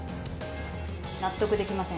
納得できません。